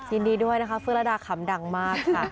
ยินดีด้วยนะคะเฟื่อระดาขำดังมากค่ะ